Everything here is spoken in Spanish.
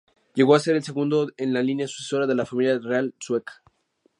Llegó a ser el segundo en la línea sucesoria de la familia real sueca.